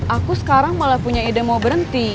aku sekarang malah punya ide mau berhenti